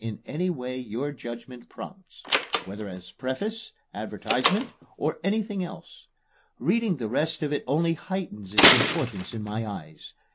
in any way your judgment prompts, whether as preface, advertisement, or anything else. Reading the rest of it only heightens its importance in my eyes.